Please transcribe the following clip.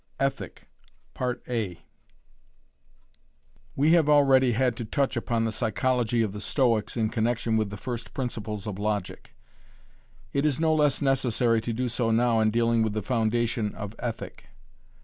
ETHIC We have already had to touch upon the psychology of the Stoics in connection with the first principles of logic. It is no less necessary to do so now in dealing with the foundation of ethic.